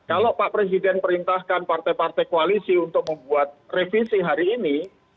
kalau pak presiden perintahkan partai partai koalisi untuk membuat revisi hari ini